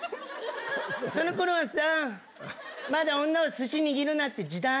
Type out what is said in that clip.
そのころはさ、まだ女はすし握るなって時代。